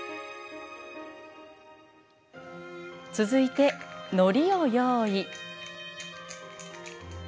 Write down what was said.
続いてのりを用意。